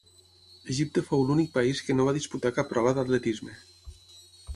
Egipte fou l'únic país que no va disputar cap prova d'atletisme.